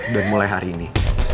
dan mulai hari ini